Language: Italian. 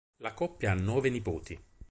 La coppia ha nove nipoti.